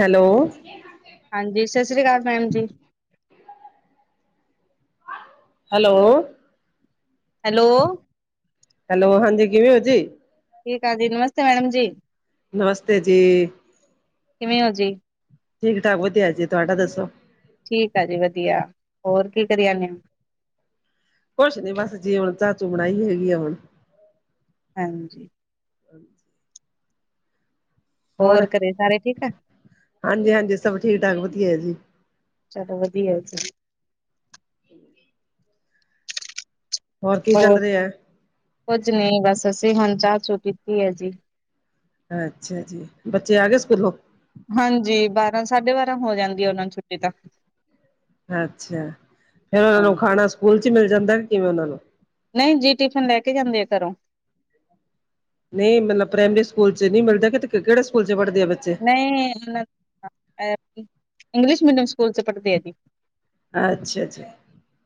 Hello. ਹਾਂਜੀ, ਸਸ ਰੀ ਕਾਲ ਮੈਮ ਜੀ। ਹੈਲੋ। ਹੈਲੋ। ਹੈਲੋ, ਹਾਂਜੀ ਕਿਵੇਂ ਓ ਜੀ? ਠੀਕ ਆਂ ਜੀ, ਨਮਸਤੇ ਮੈਡਮ ਜੀ। ਨਮਸਤੇ ਜੀ। ਕਿਵੇਂ ਓ ਜੀ? ਠੀਕ ਠਾਕ, ਵਧੀਆ ਜੀ, ਤੁਹਾਡਾ ਦੱਸੋ। ਠੀਕ ਆ ਜੀ, ਵਧੀਆ ਹੋਰ ਕੀ ਕਰੀ ਜਾਨੇ ਓ? ਕੁਛ ਨੀ, ਬਸ ਜੀ ਹੁਨ ਚਾ-ਚੂ ਬਣਾਈ ਹੈਗੀ ਆ ਹੁਨ। ਹਾਂਜੀ। ਹੋਰ, ਘਰੇ ਸਾਰੇ ਠੀਕ ਆ ਹਾਂਜੀ-ਹਾਂਜੀ ਸਭ ਠੀਕ ਠਾਕ, ਵਧੀਆ ਐ ਜੀ। ਚਲੋ ਵਧੀਆ ਐ ਜੀ। [inaudible] ਹੋਰ ਕੀ ਚੱਲ ਰੇਯਾ ਐ? ਕੁੱਝ ਨੀ ਬਸ, ਅਸੀਂ ਹੁਨ ਚਾਹ ਚੂ ਪੀਤੀ ਐ ਜੀ। ਅੱਛਾ ਜੀ, ਬੱਚੇ ਆ ਗਏ ਸਕੂਲੋਂ? ਹਾਂਜੀ ਬਾਰਾਂ ਸਾਢੇ ਬਾਰਾਂ ਹੋ ਜਾਂਦੀ ਹੈ ਉਹਨਾਂ ਨੂੰ ਛੁੱਟੀ ਤਾਂ ਅੱਛਾ ਫੇਰ ਉਹਨਾਂ ਨੂੰ ਹਾਂਜੀ ਖਾਣਾ ਸਕੂਲ ਚ ਮਿਲ ਜਾਂਦਾ, ਕਿਵੇਂ ਉਹਨਾਂ ਨੂੰ? ਨਹੀਂ ਜੀ, ਟਿਫਿਨ ਲੈ ਕੇ ਜਾਂਦੇ ਆ ਘਰੋਂ। ਨਹੀਂ ਮਤਲਬ ਪ੍ਰਾਇਮਰੀ ਸਕੂਲ ਚ ਨਹੀਂ ਮਿਲਦਾ, ਕਿ ਕਿਹੜੇ ਸਕੂਲ 'ਚ ਪੜ੍ਹਦੇ ਆ ਬੱਚੇ? ਐ [unintelligible] ਇੰਗਲਿਸ਼ ਮੀਡੀਅਮ ਸਕੂਲ 'ਚ ਪੜ੍ਹਦੀ ਐ ਜੀ। ਅੱਛਾ-ਅੱਛਾ।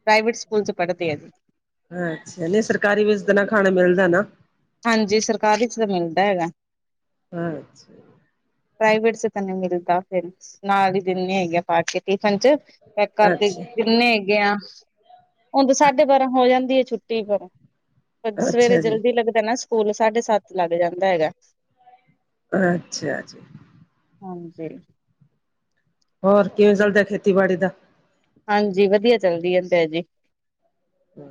ਪ੍ਰਾਈਵੇਟ ਸਕੂਲਸ 'ਚ ਪੜਦੇ ਐ ਜੀ। ਅੱਛਾ, ਨਹੀਂ ਸਰਕਾਰੀ ਵਿੱਚ ਦਾ ਨਾ, ਖਾਣਾ ਮਿਲਦਾ ਨਾ। ਹਾਂਜੀ ਸਰਕਾਰੀ ਚ ਤਾਂ ਮਿਲਦਾ ਹੈਗਾ ਅੱਛਾ ਪ੍ਰਾਈਵੇਟ ਚ ਤੈਨੂੰ ਮਿਲਦਾ ਫਿਰ ਨਾਲ ਹੀ ਦਿਨ ਨ ਹੈਗੇ ਪਾ ਕੇ ਟਿਫਨ ਚ ਪੈਕ ਕਰਦੇ ਅੱਛਾ, ਕਿੰਨੇ ਹੈਗੇ ਆ ਹੁਣ ਤਾਂ ਸਾਢੇ ਬਾਰਾਂ ਹੋ ਜਾਂਦੀ ਹੈ ਛੁੱਟੀ ਪਰ ਸਵੇਰੇ ਅੱਛਾ ਜੀ। ਜਲਦੀ ਲੱਗ ਨਾ ਸਕੂਲ ਸਾਢੇ ਸੱਤ ਲੱਗ ਜਾਂਦਾ ਹੈਗਾ ਅੱਛਾ ਜ ਹਾਂਜੀ ਹੋਰ ਕਿਵੇਂ ਚਲਦਾ ਖੇਤੀਬਾੜੀ ਦਾ ਹਾਂਜੀ ਵਧੀਆ ਚੱਲਦੀ ਹੈ ਤੇ ਜੀ ਹੂੰ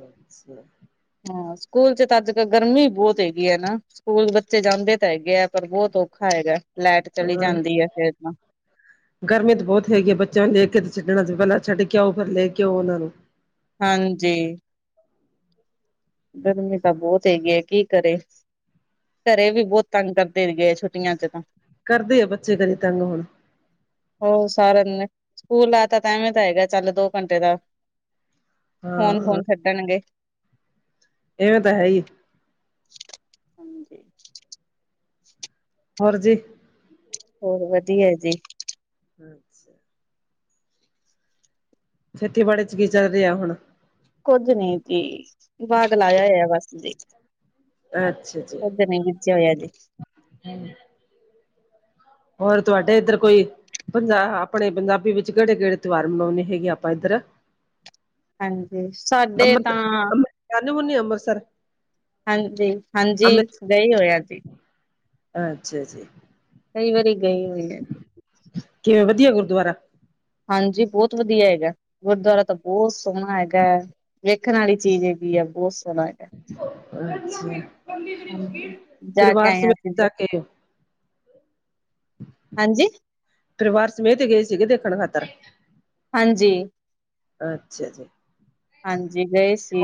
ਹਾਂ ਸਕੂਲ ਚ ਤਾਂ ਅੱਜ ਕਲ ਗਰਮੀ ਬਹੁਤ ਹੈਗੀ ਹੈ ਨਾ। ਸਕੂਲ ਬੱਚੇ ਜਾਂਦੇ ਤਾਂ ਹੈਗੇ ਆ ਪਰ ਬਹੁਤ ਔਖਾ ਹੈਗਾ ਲਾਈਟ ਚਲੀ ਹਾਂ, ਜਾਂਦੀ ਹੈ। ਫਰ ਤਾਂ ਗਰਮੀ ਤਾਂ ਬਹੁਤ ਹੈਗੀ ਹੈ, ਬੱਚਿਆਂ ਨੂੰ ਲੈ ਕੇ ਤੇ ਛੱਡਣਾ ਚ ਪਹਿਲਾਂ ਛੱਡ ਕੇ ਆ ਫਿਰ ਲੈ ਕੇ ਆਉ ਉਹਨਾਂ ਨੂੰ। ਹਾਂਜੀ। ਗਰਮੀ ਤਾਂ ਬਹੁਤ ਹੈਗੀ ਹੈ, ਕੀ ਕਰੇ ਘਰੇ ਵੀ ਬਹੁਤ ਤੰਗ ਕਰਦੇ ਹੈਗੇ ਛੁ ਕਰਦੇ ਆ ਬੱਚੇ ਘਰੇ ਤੰਗ ਹੁਣ। ਹੋ ਸਾਰਾ ਦਿਨ ਸਕੂਲ ਆ ਤਾਂ ਟਾਈਮ ਹੀ ਤਾਂ ਹੈਗਾ, ਚੱਲ ਦੋ ਘੰਟੇ ਦਾ। ਫੋਨ ਹਾਂ ਫੋਨ ਛੱਡਣਗੇ ਇਵੇਂ ਤਾਂ ਹੈ ਹੀ। ਹਾਂਜੀ। ਹੋਰ ਜੀ। ਹੋਰ ਵਧੀਆ ਜੀ। ਅੱਛਾ। ਖੇਤੀਬਾੜੀ ਚ ਕੀ ਚੱਲ ਰਿਹਾ ਹੁਣ। ਕੁੱਝ ਨੀ ਸੀ ਬਾਗ ਲਾਇਆ ਬਸ ਜ ਅੱਛਾ ਕੁਛ ਨਹੀਂ ਬੀਜਿਆ ਹੋਇਆ ਜੀ। ਹਾਂਜੀ ਹੋਰ ਤੁਹਾਡੇ ਇੱਧਰ ਕੋਈ ਪੰਜਾਬ ਆਪਣੇ ਪੰਜਾਬੀ ਵਿੱਚ ਕਿਹੜੇ ਕਿਹੜੇ ਤਿਉਹਾਰ ਮਨਾਉਂਦੇ ਹੈਗੇ ਆ ਆਪਾਂ ਇੱਧਰ ਹਾਂਜੀ ਸਾਡੇ ਤਾਂ ਜਾਂਦੀ ਹੁੰਦੀ ਅੰਮ੍ਰਿਤਸਰ ਹਾਂਜੀ, ਹਾਂਜੀ ਅੰਮ੍ਰਿਤ ਗਏ ਹੋਇਆ ਜੀ। ਅੱਛਾ ਜੀ। ਕਈ ਵਾਰੀ ਗਈ ਹੋਈ ਏ ਕਿਵੇਂ ਵਧੀਆ ਗੁਰਦੁਆਰਾ ਹਾਂਜੀ ਬਹੁਤ ਵਧੀਆ ਹੈਗਾ, ਗੁਰਦੁਆਰਾ ਤਾਂ ਬਹੁਤ ਸੋਹਣਾ ਹੈਗਾ ਹੈ, ਵੇਖਣ ਵਾਲੀ ਚੀਜ਼ ਹੈਗੀ ਆ ਬਹੁਤ ਸੋਹਣਾ ਹੈ। ਅਛਾ ਹਾਂਜੀ ਜਾ ਕੇ ਪਰਿਵਾਰ ਆਏ ਹਾਂ ਅਸੀਂ ਸਮੇਤ ਜਾ ਕੇ ਹਾਂਜੀ। ਪਰਿਵਾਰ ਸਮੇਹ ਤੇ ਗਏ ਸੀਗੇ ਦੇਖਣ ਖਾਤਰ। ਹਾਂਜੀ। ਅੱਛਾ ਜੀ। ਹਾਂਜੀ ਗਏ ਸੀ,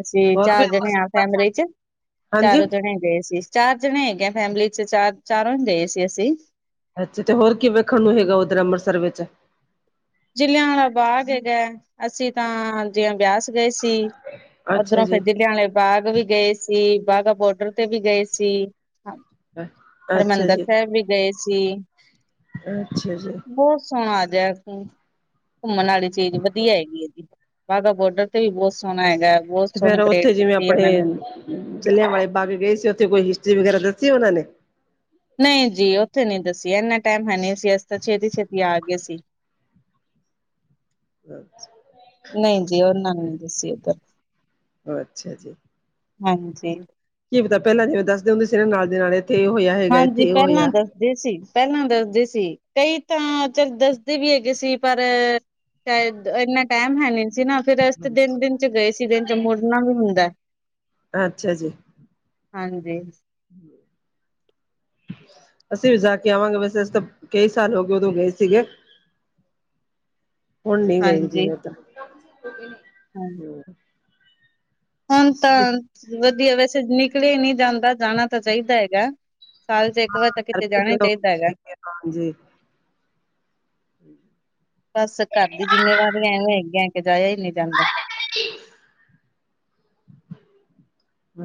ਅਸੀਂ ਹੋਰ ਵੀ ਚਾਰ ਜਾਣੇ ਹਾਂ ਫੈਮਲੀ ਅੰਮ੍ਰਿਤਸਰ ਚ ਹਾਂਜੀ ਚਾਰੋ ਜਣੇ ਗਏ ਸੀ, ਚਾਰ ਜਣੇ ਹੈਗੇ ਫੈਮਿਲੀ ਚ ਚਾਰ ਚਾਰੋਂ ਗਏ ਸੀ ਅਸੀਂ। ਅੱਛਾ ਤੇ ਹੋਰ ਕੀ ਵੇਖਣ ਨੂੰ ਹੈਗਾ ਉੱਧਰ ਅੰਮ੍ਰਿਤਸਰ ਵਿੱਚ ਚੱਲੇ ਆ ਵਾਲਾ ਬਾਗ ਹੈਗਾ, ਅਸੀਂ ਤਾਂ ਜਿ ਬਿਆਸ ਗਏ ਸੀ। ਅੱਛਾ ਓਧਰੋਂ ਫਿਰ ਜੀ ਜਲਿਆਂ ਵਾਲੇ ਬਾਗ ਵੀ ਗਏ ਸੀ, ਬਾਗਾ ਬੋਡਰ ਤੇ ਵੀ ਗਏ ਸੀ। ਹੈ। ਹਰਿਮੰਦਰ ਸਾਹਿਬ ਵੀ ਗਏ ਸੀ। ਅੱਛਾ ਜੀ। ਬਹੁਤ ਸੋਹਣਾ ਆ ਜਿਹਾ ਘੁੰਮਣ ਵਾਲੀ ਚੀਜ਼ ਵਧੀਆ ਹੈਗੀ ਹੈ ਜੀ। ਬਾਗਾ ਬੋਰਡਰ ਤੇ ਵੀ ਬਹੁਤ ਸੋਹਣਾ ਹੈਗਾ। ਬਹੁਤ ਤੇ ਸੋਹਣੀ ਫੇਰ ਪਰੇਡ ਉੱਥੇ ਜਿਵੇਂ ਕੀਤੀ ਆਪਣੇ ਉਹਨਾਂ ਨੇ ਜਲ੍ਹਿਆਂਵੇ ਬਾਗ ਗਏ ਸੀ, ਉੱਥੇ ਕੋਈ ਹਿਸਟਰੀ ਵਗੈਰਾ ਦੱਸੀ ਉਹਨਾਂ ਨੇ। ਨਹੀਂ ਜੀ ਉੱਥੇ ਨੀ ਦੱਸੀ ਇੰਨਾ ਟਾਈਮ ਹੈ ਨਹੀਂ ਸੀ ਅਸੀ ਤਾਂ ਛੇਤੀ, ਛੇਤੀ ਆ ਗਏ ਸੀ। [unintelligible] ਨਹੀਂ ਜੀ ਉਹਨਾਂ ਦੱਸੀ ਉੱਧਰ ਅੱਛਾ ਜੀ। ਹਾਂਜੀ। ਕੀ ਪਤਾ ਪਹਿਲਾਂ ਜਿਵੇਂ ਦੱਸਦੇ ਹੁੰਦੇ ਸੀ ਨਾ ਨਾਲ ਦੀ ਨਾਲ ਇਥੇ ਇਹ ਹੋਇਆ ਹੈਗਾ ਹਾਂਜੀ ਇੱਥੇ ਉਹ ਪਹਿਲਾਂ ਹੋਇਆ। ਦੱਸਦੇ ਸੀ, ਪਹਿਲਾਂ ਦੱਸਦੇ ਸੀ ਕਈ ਤਾਂ ਚੱਲ ਦੱਸਦੇ ਵੀ ਹੈਗੇ ਸੀ ਪਰ ਸ਼ਾਇਦ ਇੰਨਾ ਟਾਈਮ ਹੈ ਨਹੀ ਸੀ ਨਾ। ਫੇਰ ਅਸੀ ਤੇ ਦਿਨ ਦਿਨ ਚ ਗਏ ਸੀ ਦਿਨ ਚ ਮੁੜਨਾ ਵੀ ਹੁੰਦਾ। ਅੱਛਾ ਜੀ। ਹਾਂਜੀ। ਹਮ। ਅਸੀਂ ਵੀ ਜਾ ਕੇ ਆਵਾਂਗੇ ਵੈਸੇ ਅਸੀਂ ਤਾਂ ਕਈ ਸਾਲ ਹੋ ਗਏ ਉਦੋਂ ਗਏ ਸੀਗੇ। ਹੁਣ ਨੀ ਗਈ ਹਾਂਜੀ ਜਿਵੇਂ ਤਾਂ ਹਾਂ ਹ ਹੁਣ ਤਾਂ ਵਧੀਆ ਵੈਸੇ ਨਿਕਲੇਆ ਹੀ ਨਹੀਂ ਜਾਂਦਾ ਜਾਣਾ ਤਾਂ ਚਾਹੀਦਾ ਹੈਗਾ। ਸਾਲ ਚ ਇੱਕ ਵਾਰ ਤਾਂ ਕਿਤੇ ਜਾਣਾ ਹੀ ਚਾਹੀਦਾ ਹੈਗਾ। ਹਾਂਜੀ। ਬਸ ਘਰ ਦੀ ਜਿੰਮੇਵਾਰ ਐਵੇਂ ਹੈਗ ਐ ਕੇ ਜਾਇਆ ਹੀ ਨਹੀਂ ਜਾਂਦਾ।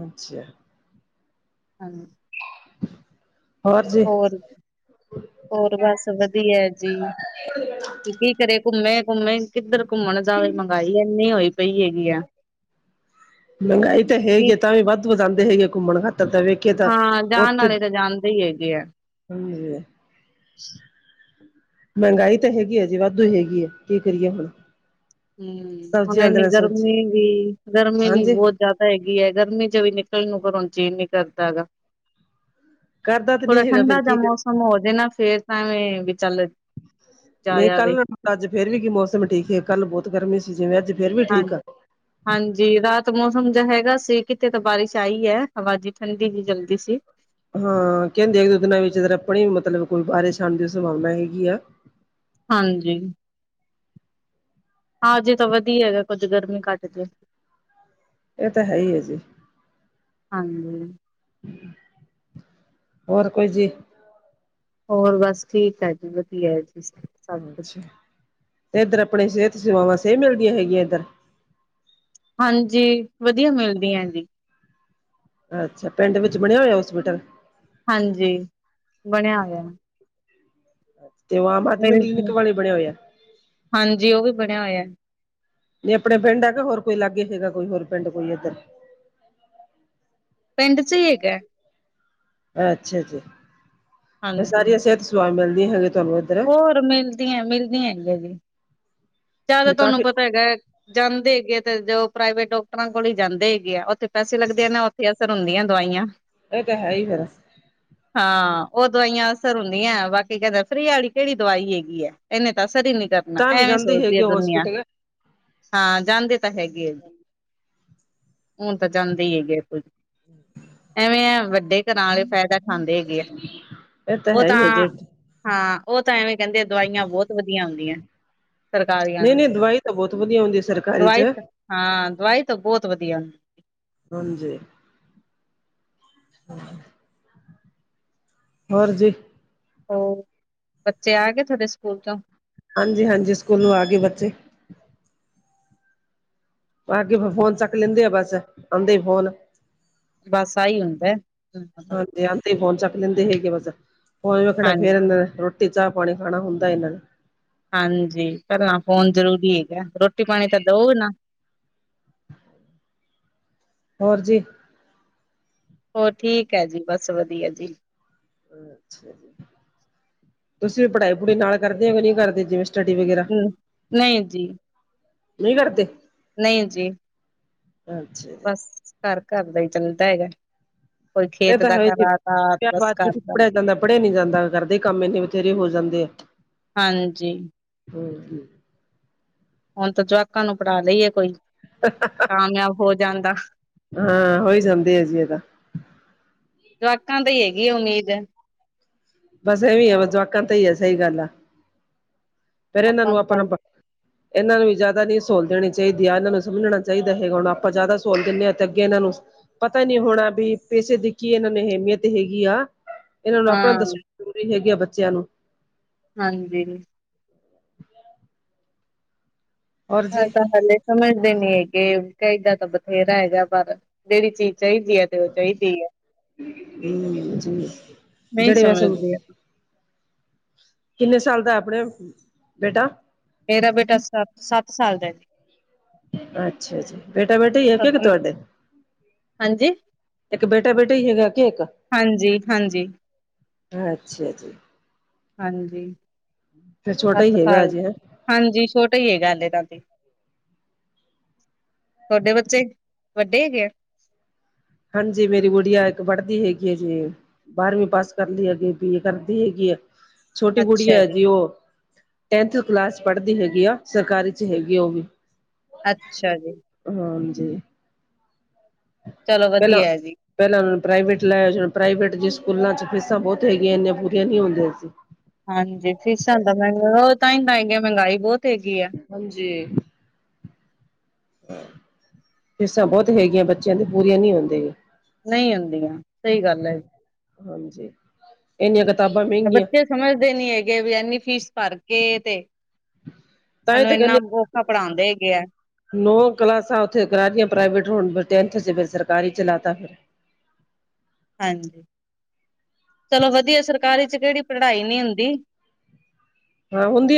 ਅੱਛਾ। ਹਾਂਜੀ। [inaudible] ਹੋਰ ਹੋਰ ਬਸ ਵਧੀਆ ਜੀ। ਕੀ ਕਰੇ ਘੁੰਮੇ, ਘੁੰਮੇ ਕਿੱਧਰ ਘੁੰਮਣ ਜਾਵੇ ਮਹਿੰਗਾਈ ਇੰਨੀ ਹੋਈ ਪਈ ਏ। ਮਹਿੰਗਾਈ ਤਾਂ ਕਿ ਹੈਗੀ ਤਾਂ ਵੀ ਵੱਧ ਵਧਾਉਂ ਜਾਦੇ ਹੈਗੇ ਆ ਘੁੰਮਣ ਖਾਤਰ ਤਾਂ ਵੇਖ ਹਾਂ ਜਾਣ ਵਾਲੇ ਤਾਂ ਜਾਣਦੇ ਹੀ ਹੈਗੇ ਆ। [unintelligible] ਮਹਿੰਗਾਈ ਤਾਂ ਹੈਗੀ ਹੈ ਜੇ ਵਾਧੂ ਹੈਗੀ ਹੈ ਕੀ ਕਰੀਏ ਹੁਣ। ਹਮ ਸਬਜ਼ੀ ਵਾਲੇ ਉਹੁਣੇ ਦਿਨ ਸਬਜ਼ੀ ਗਰਮੀ ਵੀ ਗਰਮੀ ਵੀ ਹਾਂਜੀ ਬਹੁਤ ਜ਼ਿਆਦਾ ਹੈਗੀ ਹੈ ਗਰਮੀ ਚ ਵੀ ਨਿਕਲਣ ਨੂੰ ਪਰੁਣ ਚੇਨ ਨੀ ਕਰਦਾ ਹੈਗਾ। ਕਰਦਾ ਤੇ ਥੋੜਾ ਨਹੀਂ ਹੈਗਾ ਫੇਰ ਠੰਡਾ ਕੀ ਜ ਕਰ ਮੌਸਮ ਹੋ ਜਾਣਾ ਫੇਰ ਤਾਂ ਐਵੇਂ ਵੀ ਚੱਲ ਨਹੀਂ ਜਾਇਆ ਵੇ ਕੱਲ੍ਹ ਅੱਜ ਫੇਰ ਵੀ ਕੀ ਮੌਸਮ ਠੀਕ ਹੈ ਕੱਲ ਬਹੁ ਗਰਮੀ ਸੀ ਜਿਵੇਂ ਅੱਜ ਫੇਰ ਵੀ ਹਾਂ ਠੀਕ ਆ। ਹਾਂਜੀ ਰਾਤ ਮੌਸਮ ਜ ਹੈਗਾ ਸੀ ਕਿਤੇ ਤਾਂ ਬਾਰਿਸ਼ ਆਈ ਹੈ ਹਵਾ ਜਿ ਠੰਡੀ ਜਿਹੀ ਚਲਦੀ ਸੀ। ਹਾਂ ਕਹਿੰਦੇ ਇੱਕ ਦੋ ਦਿਨਾਂ ਵਿੱਚ ਆਪਣੀ ਮਤਲਬ ਕੋਈ ਬਾਰਿਸ਼ ਆਨ ਦੀ ਸੰਭਾਵਨਾ ਹੈਗੀ ਆ। ਹਾਂਜੀ। ਹਾਂਜੀੇ ਤਾਂ ਵਧੀਆ ਹੈਗਾ ਕੁੱਝ ਗਰਮੀ ਘੱਟ ਜੇ। ਇਹ ਤਾਂ ਹੈ ਹੀ ਹੈ ਜੀ। ਹਾਂਜੀ। ਹੋਰ ਕੋਈ ਜੀ। ਹੋਰ ਬਸ ਠੀਕ ਹੈ ਜੀ ਵਧੀਆ ਜੀ। ਕੁਛ ਅੱਛਾ ਤੇ ਇੱਧਰ ਆਪਣੀ ਸਿਹਤ ਸੇਵਾਵਾਂ ਸਹੀ ਮਿਲਦੀਆਂ ਹੈਗੀਆਂ ਇੱਧਰ। ਹਾਂਜੀ ਵਧੀਆ ਮਿਲਦੀ ਹੈ ਜੀ। ਅੱਛਾ ਪਿੰਡ ਵਿੱਚ ਬਣਿਆ ਹੋਇਆ ਹੋਸਪਿਟਲ? ਹਾਂਜੀ। ਬਣਿਆ ਹੋਇਆ। ਤੇ ਉਹ ਆਮ ਆਦਮੀ ਮਿਲ ਗਿਆ ਕਲੀਨਿਕ ਵਾਲੇ ਬਣਿਆ ਹੋਇਆ। ਹਾਂਜੀ ਉਹ ਵੀ ਬਣਿਆ ਹੋਇਆ। ਨਹੀਂ ਆਪਣੇ ਪਿੰਡ ਹੈਗਾ ਹੋਰ ਕੋਈ ਲਾਗੇ ਹੈਗਾ ਕੋਈ ਹੋਰ ਪਿੰਡ ਕੋਈ ਇੱਧਰ ਪਿੰਡ ਚ ਹੀ ਹੈ। ਅੱਛਾ ਜੀ ਫੇਰ ਹਾਂਜੀ ਸਾਰੀਆਂ ਸਿਹਤ ਸੇਵਾਵਾ ਮਿਲਦੀਆਂ ਹੈਗੀਆਂ ਤੁਹਾਨੂੰ। ਇੱਧਰ ਹੋਰ ਮਿਲਦੀਆਂ ਮਿਲਦੀਆਂ ਹੈਗੀਆਂ ਜੀ ਜ਼ਿਆਦਾ ਫਿਰ ਤੁਹਾਨੂੰ ਕਾਫੀ ਪਤਾ ਹੈਗਾ ਜਾਂਦੇ ਹੈਗੇ ਆ ਤੇ ਜੋ ਪ੍ਰਾਈਵੇਟ ਡਾਕਟਰਾਂ ਕੋਲ ਹੀ ਜਾਂਦੇ ਹੈਗੇ ਆ ਉੱਥੇ ਪੈਸੇ ਲੱਗਦੇ ਨੇ। ਫੇਰ ਅਸਰ ਹੁੰਦੀਆਂ ਦਵਾਈਆਂ। ਇਹ ਤਾਂ ਹੈ ਹੀ ਫੇਰ। ਹ। [inaudible] ਹਾਂ ਉਹ ਦਵਾਈਆਂ ਅਸਰ ਹੁੰਦੀਆਂ ਬਾਕੀ ਕਹਿੰਦੇ ਫਰੀ ਵਾਲੀ ਕਿਹੜੀ ਦਵਾਈ ਹੈਗੀ ਹੈ ਇਹਨੇ ਤਾਂ ਅਸਰ ਹੀ ਨੀ। ਤਾਂ ਵੀ ਐਵੇਂ ਜਾਂਦੀ ਸੋਚ ਆਪਣਾ ਹੈਗੀ ਹੋਸਪਿਟਲ ਹਾਂ, ਜਾਂਦੀ ਤਾਂ ਹੈਗੀ ਏ। ਹੋਨ ਤਾਂ ਚਾਂਦੇ ਈ ਹੇਗੇ ਆ [unintelligible] ਐਵੇਂ ਐ ਵੱਡੇ ਘਰਾਂ ਆਲੇ਼ ਫੈਦਾ ਖਾਂਦੇ ਹੇਗੇ ਏ, ਇਹ ਓ ਹੈ ਤਾਂ ਹੀ ਹੈ ਜੇ ਹਾਂ, ਓ ਤਾਂ ਐਵੇਂ ਕੈਂਦੇ ਆ ਦਵਾਈਆਂ ਬੋਤ ਵਦੀਆ ਹੂੰਦੀਐ। ਨੀ, ਨੀ ਦਵਾਈ ਤਾਂ ਬੋਤ ਵਦੀਆ ਹੋਂਦੀ ਸਰਕਾਰੀ ਦਵਾਈ ਚ ਹਾਂ, ਦਵਾਈ ਤ ਬੋਤ ਵਦੀਆ ਨ। ਹਾਂਜੀ। [inaudible] ਹੋਰ ਜੀ। ਹੂਂ, ਬੱਚੇ ਆਗੇ ਤੁਹਾਡੇ ਸੂਕੂਲ ਤੋਂ? ਹਾਂਜੀ, ਹਾਂਜੀ ਸੂਕੂਲੋਂ ਆਗੇ ਬੱਚੇ। ਆਕੇ ਫੋਨ ਚੱਕ ਲੇਂਦੇ ਆ ਬਸ, ਆਂਦੇ ਈ ਫੋਨ। ਬਸ ਆਹੀ ਹੁੰਦਾ। ਜੇ ਆਦੇ ਫੋਨ ਚੱਕ ਲੈਂਦੇ ਹੈਗੇ ਬਸ ਫੋਨ ਵੇ ਖਣਾ ਫੇਰ ਹਾਂਜੀ ਇਹਨਾਂ ਨੇ ਰੋਟੀ ਚਾਹ ਪਾਣੀ ਖਾਣਾ ਹੁੰਦਾ ਇਹਨਾਂ ਨੇ ਹਾਂਜੀ ਪਹਿਲਾਂ ਫੋਨ ਜ਼ਰੂਰੀ ਹੈਗਾ ਰੋਟੀ ਪਾਣੀ ਤਾਂ ਦਊ ਨਾ। ਹੋਰ ਜੀ। ਹੋਰ ਠੀਕ ਹੈ ਜੀ ਬਸ ਵਧੀਆ ਜੀ। ਤੂਸੀ ਵੀ ਪਢਾਈ, ਭੂੜੂਈ ਨਾਲ਼ ਕਰਦੇ ਓ ਨੀ ਕਰਦੇ ਜਿਵੇਂ ਸਟੱਡੀ ਵਗੈਰਾ, ਹਮ ਨਹੀਂ ਜੀ ਨਹੀ ਕਰਦੇ। ਨਹੀਂ ਜੀ। ਅੱਛ। ਬਸ- ਘਰ, ਘਰ ਦਾ ਈ ਚੱਲਦੈ ਹੇਗੈ। ਕੋਈ ਇਹ ਖੇਤ ਤਾਂ ਦਾ ਹੈ ਕਰਾਤਾ- ਬਸ ਕਰਤਾ। ਪੜੇਆ ਨੀ ਜਾਂਦਾ ਘਾਰਦੇ ਕੰਮ ਏਨੇ ਬਥੇਰੇ ਹੋ ਜਾਂਦੇ ਆ। ਹਾਂਜੀ। [unintelligible] ਹੋਨ ਤਾਂ ਜਵਾਕਾਂ ਨੂੰ ਪੜਾ ਲਈਏ ਕੋਈ [inaudible] ਕਾਮਯਾਬ ਹੋ ਜਾਂਦਾ ਹਾਂ, ਹੋਈ ਜਾਂਦੀ ਏ ਜੀ ਏ ਤਾਂ। ਜਵਾਕਾਂ ਤੇ ਈ ਹੇਗੀ ਏ ਉਮੀਦ। ਬਸ ਐਵੀ ਏ ਜਵਾਕਾਂ ਤੇ ਈ ਏ ਸਈ ਗੱਲ ਆ। ਆਪਾਂ ਤਾਂ ਚੱਲ [unintelligible] ਏਨਾਂ ਨੂੰ ਵੀ ਜੇ਼ਆਦਾ ਨੀ ਸ੍ਹੋਲ ਦੇਣੀ ਚਈਦੀ ਆ ਏਨਾਂ ਨੂੰ ਸਮਜਣਾ ਚਈਦਾ ਹੈਗਾ ਹੁਣ ਆਪਾਂ ਜਾ਼ਦਾ ਸੋਲ ਦਿੰਨੇ ਆਂ ਤੇ ਅੱਗੇ ਏਨਾ ਨੂੰ ਪਤਾ ਨੀ ਹੋਣ ਆਬੀ, ਪੈਸੇ ਦੀ ਕੀ ਏਨਾਂ ਨੂੰ ਏਹਮੀਅਤ ਹੇਗੀ ਆ ਏਨਾਂ ਨੂੰ ਅਪਣਾ ਹਾਂ ਦੱਸ [inaudible] ਜ਼ਰੂਰੀ ਹੇਗੀ ਆ ਬੱਚੇਆਂ ਨੂੰ। ਹਾਂਜੀ। [unintelligible] ਔਰ ਏ ਜੀ ਤਾਂ ਹੱਲੇ ਸਮਝਦੇ ਨੀ ਹੇਗੇ, ਕਈਦਾ ਤਾ ਬਥੇਰਾ ਹੈਗਾ ਪਰ, ਜੇੜੀ ਚੀਜ ਚਾਈਦੀ ਐ ਤੇ ਓ ਚਾਈਦੀ ਐ, ਹਮ ਜੀ ਨਈ ਜਿਹੜੇ ਵੈਸੇ ਸਮਜਦੇ। [inaudible] ਕਿੰਨੇ ਸਾਲ ਦਾ ਐ ਅਪਣਾ, ਬੇਟਾ? ਮੇਰਾ ਬੇਟਾ ਸੱਤ, ਸਾੱਤ ਸਾਲ ਦਾ ਏ ਜੀ। ਅੱਛਾ ਜੀ, ਬੇਟਾ-ਬੇਟੀ ਏਕ ਏਕ ਸੱਤ ਤੁਆਡੇ? ਹਾਂਜੀ ਇੱਕ ਬੇਟਾ-ਬੇਟਾ ਈ ਹੇਗਾ ਕੇ ਇੱਕ? ਹਾਂਜੀ ਹਾਂਜੀ ਅੱਛਾ ਜੀ, ਹਾਂਜੀ [unintelligible] ਫੇਰ ਛੋਟਾ ਸੱਤ ਈ ਹੇਗਾ ਸਾਲ ਅਜੇ ਹੇਂ। ਹਾਂਜੀ, ਛੋਟਾ ਈ ਹੇਗਾ ਹੱਲੇ ਤਾਂ। ਤੋਡੇ ਬੱਚੇ, ਵੱਡੇ ਹੇਗੇ ਆ? ਹਾਂਜੀ, ਮੇਰੀ ਗੂੜੀਆ ਇੱਕ ਪੜਦੀ ਹੇਗੀ ਏ ਜੀ। ਬਾਰਵੀਂ ਪਾਸ ਕਰ ਲੀ ਅਗੇ ਬੀ ਏ ਕਰਦੀ ਹੇਗੀ ਏ, ਛੋਟੀ ਗੁੜੀਆ ਏ ਜੀ ਓ ਟੈਂਥ ਕਲਾਸ ਪੜ੍ਹਦੀ ਹੈਗੀ ਆ ਸਰਕਾਰੀ ਚ ਹੈਗੀ ਉਹ ਵੀ ਅੱਛਾ ਜੀ ਹਾਂਜੀ ਚਲੋ ਪਹਿਲਾਂ ਵਧੀਆ ਏ ਜੀ ਪਹਿਲਾਂ ਉਹ ਪ੍ਰਵੇਟ ਲਾਇਆ ਸੀ ਪ੍ਰਾਈਵੇਟ ਜ ਸਕੂਲਾਂ ਚ ਫੀਸਾਂ ਬਹੁਤ ਹੈਗੀਆਂ ਇੰਨੀਆਂ ਪੂਰੀਆਂ ਨਹੀਂ ਹੁੰਦੀਆਂ ਸੀ। ਹਾਂਜੀ ਫੀਸਾਂ ਤਾਂ ਮਹ ਉਹ ਤਾਂ ਹੀ ਤਾਂ ਹੈਗੀਆਂ ਮਹਿੰਗਾਈ ਬਹੁਤ ਹੈਗੀ ਆ ਹਾਂਜੀੇ ਫੀਸਾਂ ਬਹੁਤ ਹੈਗੀਆਂ ਬੱਚਿਆਂ ਦੀ ਪੂਰੀਆਂ ਨਹੀਂ ਹੁੰਦੇ। ਨਹੀਂ ਹੁੰਂਦੀਆਂ ਸਹੀ ਗੱਲ ਏ ਜੀ। ਹਾਂਜੀ ਇਨੀਆਂ ਕਿਤਾਬਾਂ ਮਹਿੰਗੀਆਂ ਬੱਚੇ ਸਮਝਦੇ ਨੀ ਹੈਗੇ ਵੀ ਐਨੀ ਫੀਸ ਭਰ ਕੇ ਤੇ ਤਾਂ ਹੀ ਸਾਨੂੰ ਤਾਂ ਇੰਨਾ ਕਹਿੰਦੇ ਔਖਾ ਪੜ੍ਹਾਉਂਦੇ ਹੈਗੇ ਆ ਨੌ ਕਲਾਸਾਂ ਉੱਥੇ ਕਰਾ ਕਰਾ ਕੇ ਪ੍ਰਾਈਵੇਟ ਹੁਣ ਫਿਰ ਟੈਂਥ ਚ ਸਰਕਾਰੀ ਚ ਲਾ ਤਾ ਹਾਂਜੀ, ਚਲੋ ਵਧੀਆ ਸਰਕਾਰੀ ਚ ਕਿਹੜੀ ਪੜਾਈ ਨੀ ਹੁੰਦੀ। ਹਾਂ, ਹੁੰਦੀ ਏ